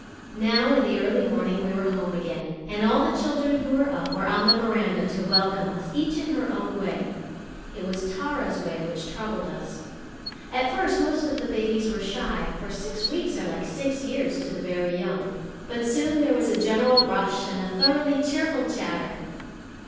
Now in the early morning we were home again, and all the children who were up were on the verandah to welcome us, each in her own way. It was Tara's way which troubled us. At first most of the babies were shy, for six weeks are like six years to the very young; but soon there was a general rush and a thoroughly cheerful chatter.